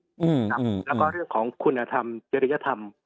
แล้วก็เรื่องของคุณธรรมจริยธรรม